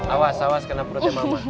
awas awas kena perutnya mama